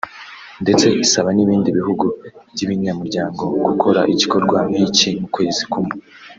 ndetse isaba n’ibindi bihugu by’ibinyamuryango gukora igikorwa nk’iki mu kwezi kumwe